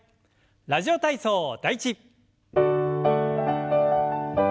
「ラジオ体操第１」。